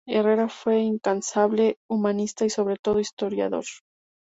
Herrera fue incansable, humanista y sobre todo historiador.